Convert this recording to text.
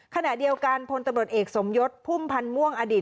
ขณะเดียวกันพลตำรวจเอกสมยศพุ่มพันธ์ม่วงอดีต